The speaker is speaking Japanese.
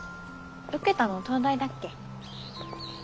受けたの東大だっけ？